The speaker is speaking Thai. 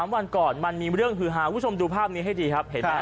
วันก่อนมันมีเรื่องฮือหาคุณผู้ชมดูภาพนี้ให้ดีครับเห็นไหม